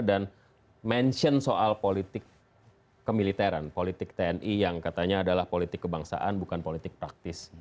dan mention soal politik kemiliteran politik tni yang katanya adalah politik kebangsaan bukan politik praktis